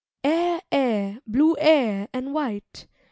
'Air, air! blue air and white!